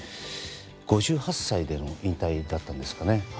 ５８歳での引退だったんですかね。